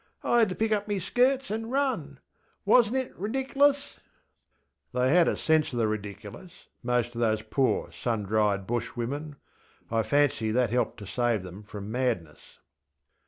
I had to pick up me skirts anŌĆÖ run! WasnŌĆÖt it redicŌĆÖlus? ŌĆÖ They had a sense of the ridiculous, most of those poor sun dried Bushwomen. I fancy that that helped save them from madness.